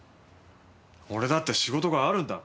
俺だって仕事があるんだ。